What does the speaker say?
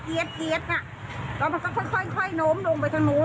แล้วมันก็ค่อยโน้มลงไปทางนู้น